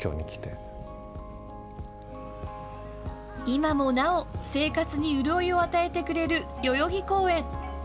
今もなお、生活に潤いを与えてくれる代々木公園。